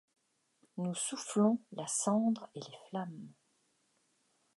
Nous soufflons la cendre et les flammes